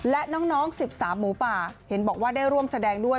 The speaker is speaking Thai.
และน้อง๑๓หมูป่าเห็นบอกว่าได้ร่วมแสดงด้วย